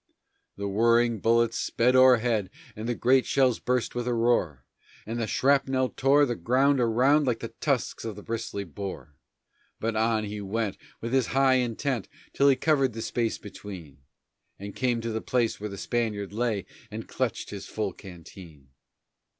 The whirring bullets sped o'erhead, and the great shells burst with a roar, And the shrapnel tore the ground around like the tusks of the grisly boar; But on he went, with his high intent, till he covered the space between, And came to the place where the Spaniard lay and clutched his full canteen.